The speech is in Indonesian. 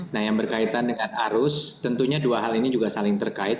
nah yang berkaitan dengan arus tentunya dua hal ini juga saling terkait